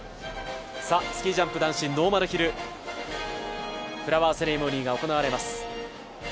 スキージャンプ男子、ノーマルヒル、フラワーセレモニーが行われます。